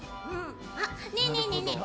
あっねえねえねえねえ。